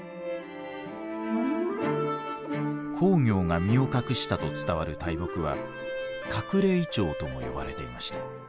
公暁が身を隠したと伝わる大木は隠れ銀杏とも呼ばれていました。